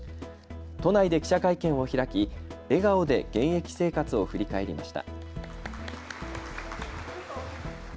都内で記者会見を開き笑顔で現役生活を振り返りました。